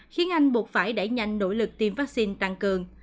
khiến anh buộc phải đẩy nhanh nỗ lực tiêm vaccine tăng cường